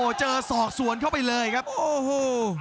เจอศอกสวนเข้าไปเลยครับโอ้โห